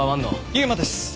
悠馬です